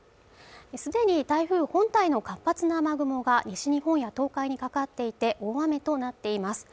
すでに台風本体の活発な雨雲が西日本や東海にかかっていて大雨となっています